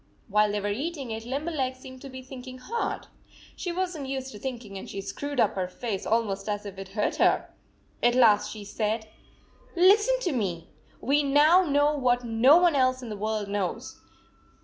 While they were eating it, Limberleg seemed to be thinking hard. She was n t used to thinking, and she screwed up her face almost as if it hurt her. At last she said: " Listen to me ! We now know what no one else in the world knows.